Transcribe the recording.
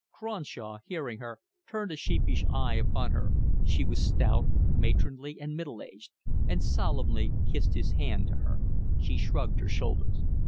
Cronshaw, hearing her, turned a sheepish eye upon her; she was stout, matronly, and middle aged; and solemnly kissed his hand to her. She shrugged her shoulders.